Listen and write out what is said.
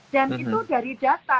dan itu dari data